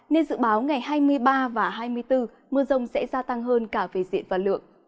nên dự báo ngày hai mươi ba và hai mươi bốn mưa rông sẽ gia tăng hơn cả về diện và lượng